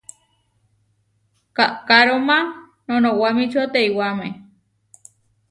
Kaʼkaróma noʼnowamíčio teiwáme.